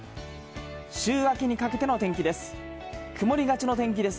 週明けにかけての天気です。